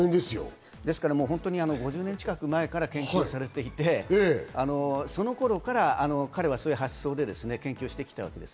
５０年近く前から研究されていて、その頃から彼はそういう発想で研究してきたわけです。